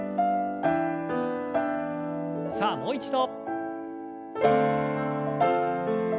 さあもう一度。